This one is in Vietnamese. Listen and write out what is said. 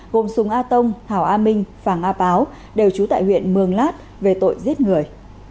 gồm súng a tông thảo a minh phàng a báo đều trú tại huyện mương lát về tội giết người